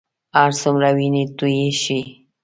هرڅومره وینې تویې شي.